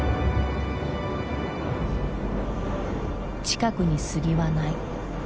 近くに杉はない。